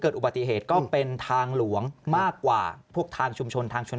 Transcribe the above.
อุบัติเหตุก็เป็นทางหลวงมากกว่าพวกทางชุมชนทางชน